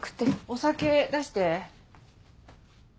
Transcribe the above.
お酒出して。